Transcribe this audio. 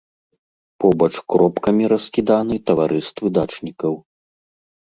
Побач кропкамі раскіданы таварыствы дачнікаў.